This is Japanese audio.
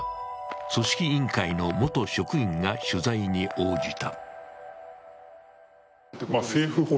組織委員会の元職員が取材に応じた。